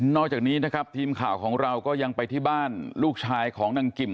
จากนี้นะครับทีมข่าวของเราก็ยังไปที่บ้านลูกชายของนางกิม